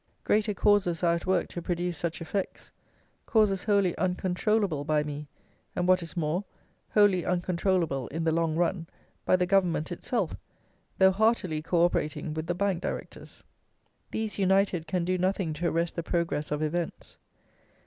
Greater causes are at work to produce such effects; causes wholly uncontrollable by me, and, what is more, wholly uncontrollable in the long run by the Government itself, though heartily co operating with the bank directors. These united can do nothing to arrest the progress of events.